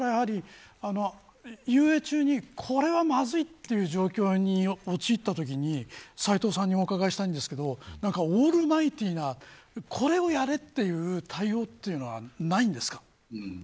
遊泳中に、これはまずいという状況に陥ったとき斎藤さんにお伺いしたいんですがオールマイティーなこれをやれという対応はないんですか。